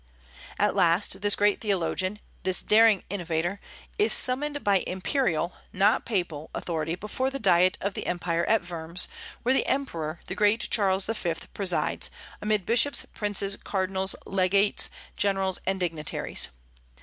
At last, this great theologian, this daring innovator, is summoned by imperial, not papal, authority before the Diet of the empire at Worms, where the Emperor, the great Charles V., presides, amid bishops, princes, cardinals, legates, generals, and dignitaries.